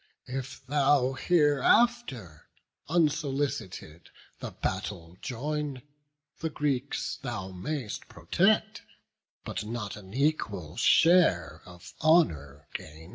If thou hereafter, unsolicited, The battle join, the Greeks thou mayst protect, But not an equal share of honour gain."